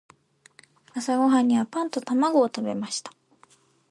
朝ごはんにはパンと卵を食べた。